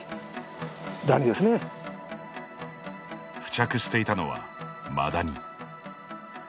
付着していたのはマダニ。